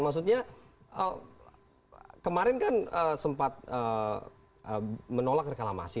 maksudnya kemarin kan sempat menolak reklamasi